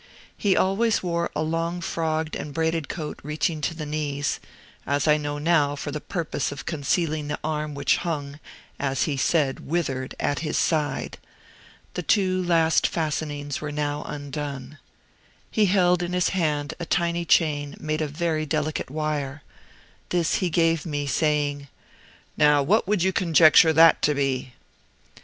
He always wore a long frogged and braided coat reaching to the knees as I now know, for the purpose of concealing the arm which hung (as he said, withered) at his side. The two last fastenings were now undone. He held in his hand a tiny chain made of very delicate wire. This he gave me, saying: "Now what would you conjecture that to be?"